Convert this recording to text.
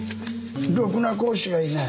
ろくな講師がいない。